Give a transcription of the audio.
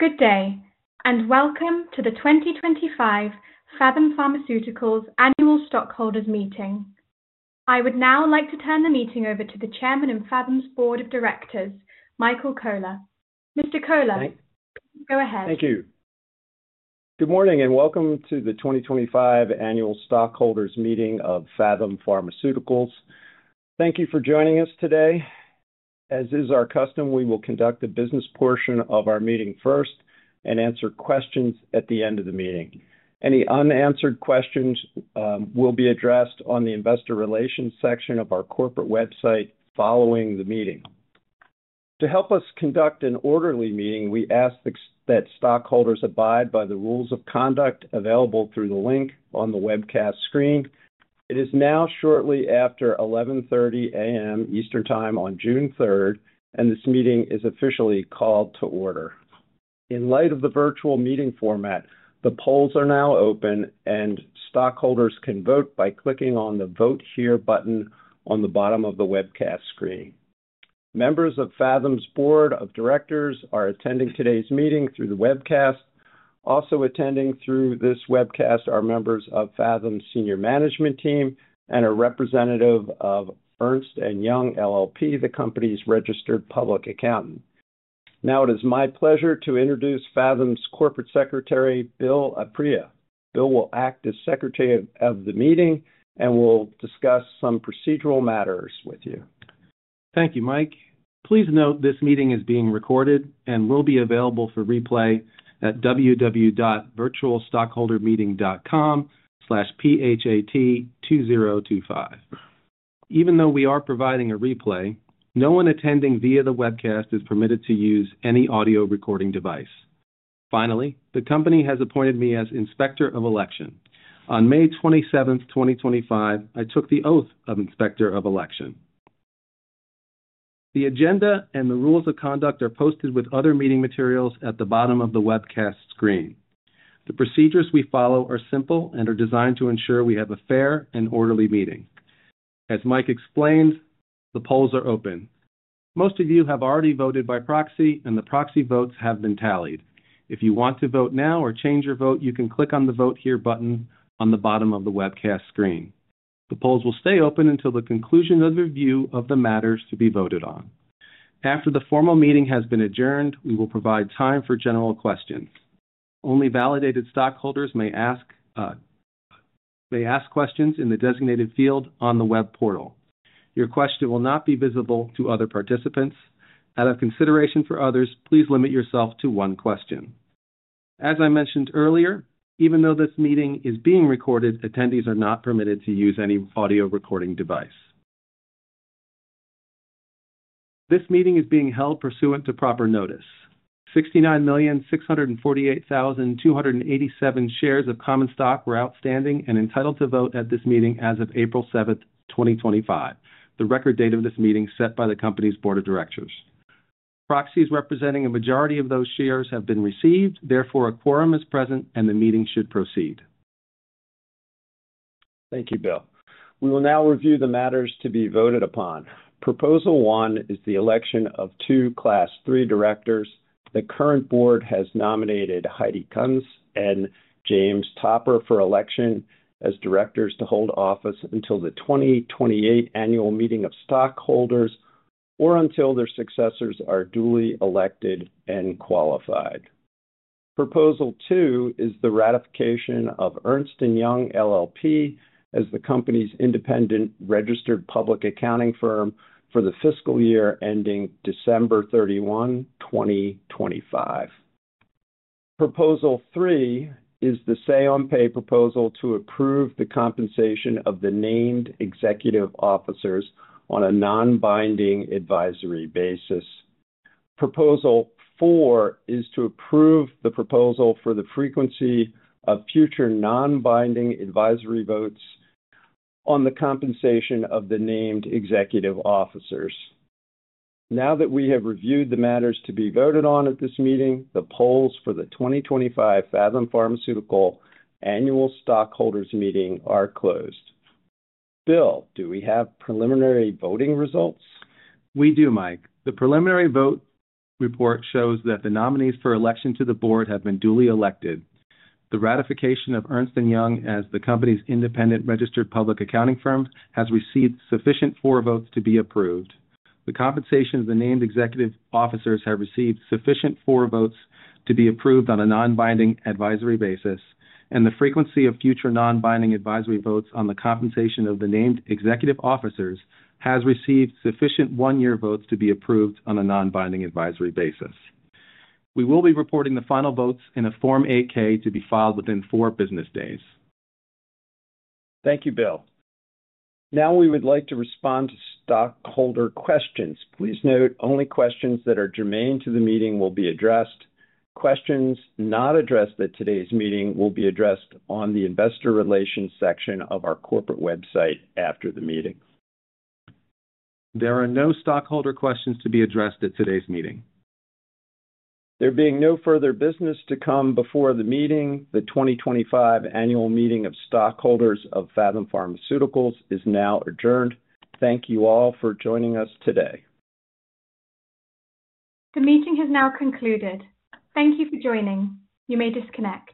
Good day, and welcome to the 2025 Phathom Pharmaceuticals Annual Stockholders Meeting. I would now like to turn the meeting over to the Chairman and Phathom's Board of Directors, Michael Cola. Mr. Cola, please go ahead. Thank you. Good morning and welcome to the 2025 Annual Stockholders Meeting of Phathom Pharmaceuticals. Thank you for joining us today. As is our custom, we will conduct the business portion of our meeting first and answer questions at the end of the meeting. Any unanswered questions will be addressed on the Investor Relations section of our corporate website following the meeting. To help us conduct an orderly meeting, we ask that stockholders abide by the rules of conduct available through the link on the webcast screen. It is now shortly after 11:30 A.M. Eastern Time on June 3rd, and this meeting is officially called to order. In light of the virtual meeting format, the polls are now open, and stockholders can vote by clicking on the Vote Here button on the bottom of the webcast screen. Members of Phathom's Board of Directors are attending today's meeting through the webcast. Also attending through this webcast are members of Phathom's senior management team and a representative of Ernst & Young LLP, the company's registered public accountant. Now, it is my pleasure to introduce Phathom's Corporate Secretary, Bill Apria. Bill will act as Secretary of the Meeting and will discuss some procedural matters with you. Thank you, Mike. Please note this meeting is being recorded and will be available for replay at www.virtualstockholdermeeting.com/phat2025. Even though we are providing a replay, no one attending via the webcast is permitted to use any audio recording device. Finally, the company has appointed me as Inspector of Election. On May 27th, 2025, I took the oath of Inspector of Election. The agenda and the rules of conduct are posted with other meeting materials at the bottom of the webcast screen. The procedures we follow are simple and are designed to ensure we have a fair and orderly meeting. As Mike explained, the polls are open. Most of you have already voted by proxy, and the proxy votes have been tallied. If you want to vote now or change your vote, you can click on the Vote Here button on the bottom of the webcast screen. The polls will stay open until the conclusion of the review of the matters to be voted on. After the formal meeting has been adjourned, we will provide time for general questions. Only validated stockholders may ask questions in the designated field on the web portal. Your question will not be visible to other participants. Out of consideration for others, please limit yourself to one question. As I mentioned earlier, even though this meeting is being recorded, attendees are not permitted to use any audio recording device. This meeting is being held pursuant to proper notice. 69,648,287 shares of common stock were outstanding and entitled to vote at this meeting as of April 7th, 2025, the record date of this meeting set by the company's Board of Directors. Proxy votes representing a majority of those shares have been received. Therefore, a quorum is present, and the meeting should proceed. Thank you, Bill. We will now review the matters to be voted upon. Proposal one is the election of two Class III directors. The current board has nominated Heidi Kunz and James Topper for election as directors to hold office until the 2028 Annual Meeting of Stockholders or until their successors are duly elected and qualified. Proposal two is the ratification of Ernst & Young LLP as the company's independent registered public accounting firm for the fiscal year ending December 31, 2025. Proposal three is the say-on-pay proposal to approve the compensation of the named executive officers on a non-binding advisory basis. Proposal four is to approve the proposal for the frequency of future non-binding advisory votes on the compensation of the named executive officers. Now that we have reviewed the matters to be voted on at this meeting, the polls for the 2025 Phathom Pharmaceuticals Annual Stockholders Meeting are closed. Bill, do we have preliminary voting results? We do, Mike. The preliminary vote report shows that the nominees for election to the board have been duly elected. The ratification of Ernst & Young as the company's independent registered public accounting firm has received sufficient for votes to be approved. The compensation of the named executive officers has received sufficient for votes to be approved on a non-binding advisory basis, and the frequency of future non-binding advisory votes on the compensation of the named executive officers has received sufficient one-year votes to be approved on a non-binding advisory basis. We will be reporting the final votes in a Form 8-K to be filed within four business days. Thank you, Bill. Now, we would like to respond to stockholder questions. Please note only questions that are germane to the meeting will be addressed. Questions not addressed at today's meeting will be addressed on the Investor Relations section of our corporate website after the meeting. There are no stockholder questions to be addressed at today's meeting. There being no further business to come before the meeting, the 2025 Annual Meeting of Stockholders of Phathom Pharmaceuticals is now adjourned. Thank you all for joining us today. The meeting has now concluded. Thank you for joining. You may disconnect.